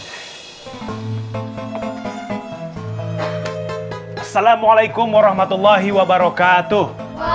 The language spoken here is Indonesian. assalamualaikum warohmatullohi wabarokatuh